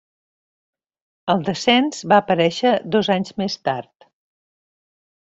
El Descens va aparèixer dos anys més tard.